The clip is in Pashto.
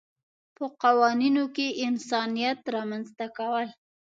په قوانینو کې اسانتیات رامنځته کول.